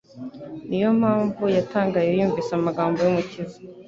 Ni yo mpamvu yatangaye yumvise amagambo y'Umukiza.